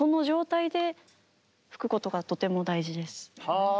はあ。